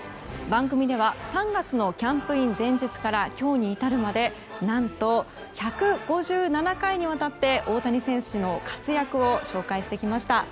番組では３月のキャンプイン前日から今日にいたるまで何と１５７回にわたって大谷選手の活躍を紹介してきました。